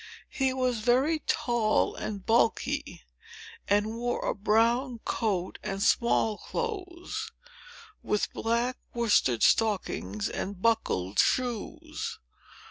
He was very tall and bulky, and wore a brown coat and small clothes, with black worsted stockings and buckled shoes.